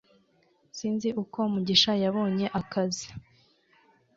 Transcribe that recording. Sinzi uko mugisha yabonye akazi